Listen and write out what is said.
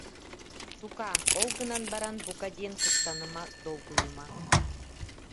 Тукаам, ол гынан баран, бука диэн куттаныма, долгуйума